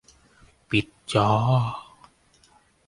ปิดจอ